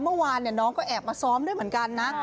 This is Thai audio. เมื่อวานน้องก็แอบมาซ้อมด้วยเหมือนกันนะ